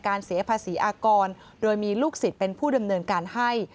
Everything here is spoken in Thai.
เสียภาษีอากรโดยมีลูกศิษย์เป็นผู้ดำเนินการให้